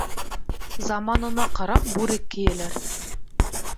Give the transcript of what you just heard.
Заманына ҡарап бүрек кейәләр.